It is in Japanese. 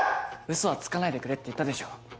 嘘はつかないでくれって言ったでしょう。